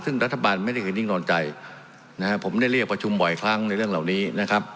ซึ่งรัฐบาลไม่ได้คือนิ่งนอนใจนะฮะผมได้เรียกประชุมบ่อยครั้งในเรื่องเหล่านี้นะครับ